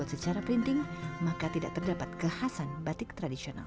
namun mengingat batik ini di buat secara printing maka tidak terdapat kekhasan batik tradisional